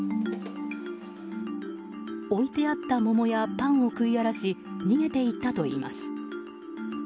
置いてあった桃やパンを食い荒らし逃げて行ったといいます。